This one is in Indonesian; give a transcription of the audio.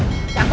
ada kembaran kau